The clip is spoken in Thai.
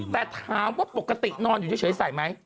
แต่ถามว่าปกตินอนอยู่เฉยใส่ไหม